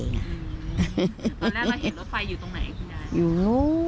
ตอนแรกเราเห็นรถไฟอยู่ตรงไหนคุณยาย